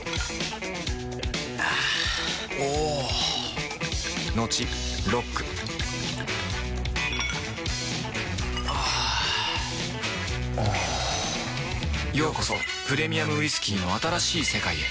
あぁおぉトクトクあぁおぉようこそプレミアムウイスキーの新しい世界へ